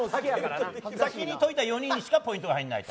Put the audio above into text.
先に解いた４人にしかポイントが入らないと。